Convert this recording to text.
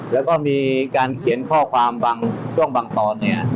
แล้วก็มีการเขียนข้อความบางช่วงบางตอนเนี่ย